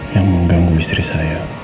yang mengganggu istri saya